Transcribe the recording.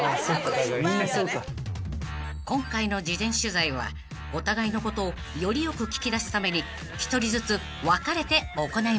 ［今回の事前取材はお互いのことをよりよく聞き出すために１人ずつ分かれて行いました］